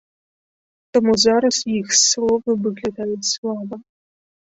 Таму зараз іх словы выглядаюць слаба.